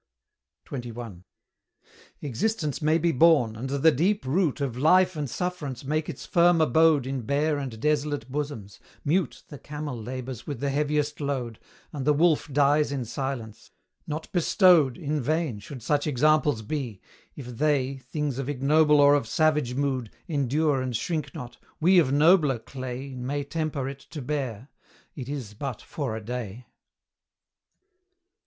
XXI. Existence may be borne, and the deep root Of life and sufferance make its firm abode In bare and desolate bosoms: mute The camel labours with the heaviest load, And the wolf dies in silence. Not bestowed In vain should such examples be; if they, Things of ignoble or of savage mood, Endure and shrink not, we of nobler clay May temper it to bear, it is but for a day.